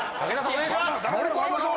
お願いします！